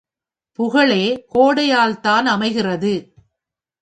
புகழே கொடையால்தான் அமைகிறது.